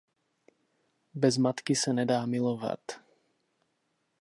Bez matky se nedá milovat.